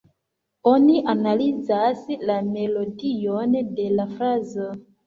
Oni analizas la melodion de la frazo.